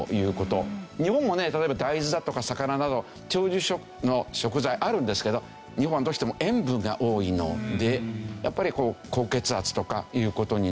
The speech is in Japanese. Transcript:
日本もね例えば大豆だとか魚など長寿食の食材あるんですけど日本はどうしても塩分が多いのでやっぱり高血圧とかいう事になる。